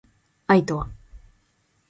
愛とは